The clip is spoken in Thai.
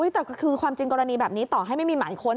แต่คือความจริงกรณีแบบนี้ต่อให้ไม่มีหมายค้น